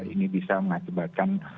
ini bisa mengakibatkan